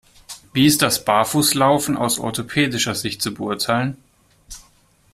Wie ist das Barfußlaufen aus orthopädischer Sicht zu beurteilen?